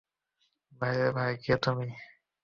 ভাইরে ভাই কে তুমি?